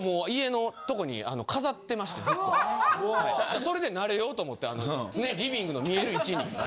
それで慣れようと思って常リビングの見える位置に。